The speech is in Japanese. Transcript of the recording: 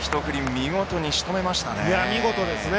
見事にしとめましたね。